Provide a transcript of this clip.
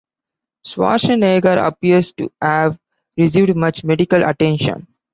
Schwarzenegger appears to have received much medical attention.